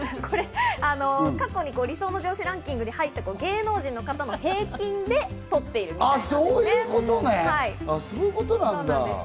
過去に理想の上司ランキングに入った芸能人の方の平均でとっているそうです。